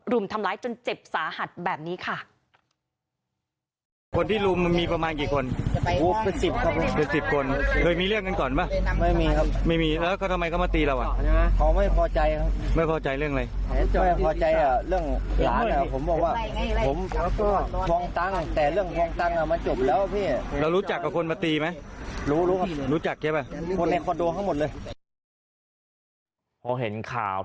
รุมทำร้ายจนเจ็บสาหัสแบบนี้ค่ะ